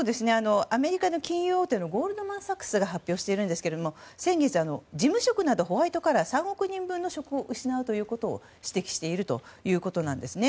アメリカの金融大手のゴールドマン・サックスが発表しているんですけど先月、事務職などホワイトカラー３億人分の職を失うと指摘しているんですね。